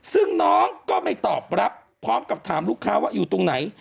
ซึ่งน้องก็ไม่ตอบรับพร้อมกับถามลูกค้าว่าอยู่ตรงไหน